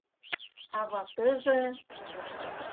— А ватыже...